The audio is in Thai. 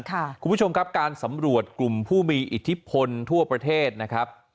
คุณผู้ชมครับการสำรวจกลุ่มผู้มีอิทธิพลทั่วประเทศนะครับ